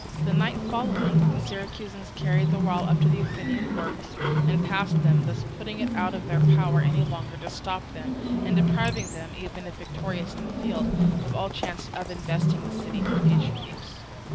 The night following the Syracusans carried their wall up to the Athenian works and passed them, thus putting it out of their power any longer to stop them, and depriving them, even if victorious in the field, of all chance of investing the city for the future.